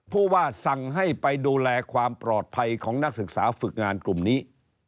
ผู้ว่าสั่งให้ไปดูแลความปลอดภัยของนักศึกษาฝึกงานกลุ่มนี้